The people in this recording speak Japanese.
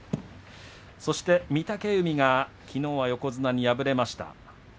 そして御嶽海はきのうは横綱に敗れました。